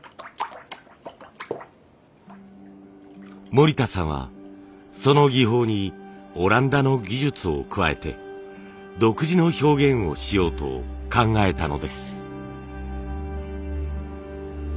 森田さんはその技法にオランダの技術を加えて独自の表現をしようと考えたのです。